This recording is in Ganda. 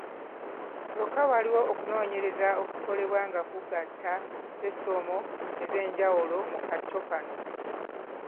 Kyokka waliwo okunoonyereza okukolebwa nga kugatta sessomo ez'enjawulo mu kacco kano